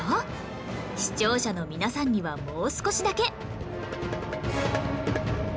視聴者の皆さんにはもう少しだけ